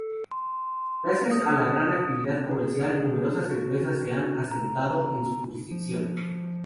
Gracias a la gran actividad comercial, numerosas empresas se han asentado en su jurisdicción.